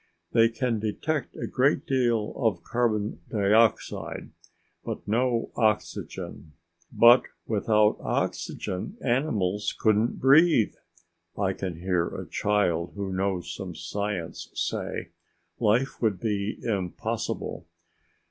They can detect a great deal of carbon dioxide but no oxygen. "But without oxygen, animals couldn't breathe!" I can hear a child who knows some science say. "Life would be impossible!"